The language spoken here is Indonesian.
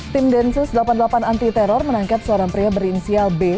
tim densus delapan puluh delapan anti teror menangkap seorang pria berinisial b